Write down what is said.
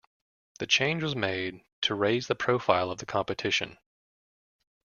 The change was made to raise the profile of the competition.